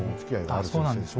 ああそうなんですね。